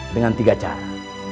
dengan tiga cara